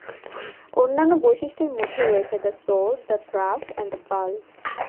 অন্যান্য বৈশিষ্ট্যের মধ্যে রয়েছে "দ্য সোর্ড", "দ্য থ্রাস্ট", এবং "দ্য পাল"।